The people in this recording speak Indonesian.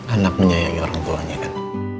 anak menyayangi orang tua ya kan